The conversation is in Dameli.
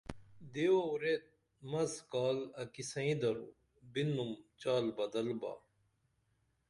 دیو و ریت مس کال اکی سئیں درو بِنُم چال بدل با